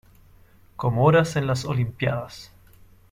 Comoras en las Olimpíadas